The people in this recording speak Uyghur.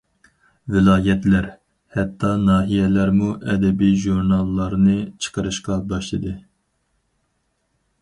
ۋىلايەتلەر، ھەتتا ناھىيەلەرمۇ ئەدەبىي ژۇرناللارنى چىقىرىشقا باشلىدى.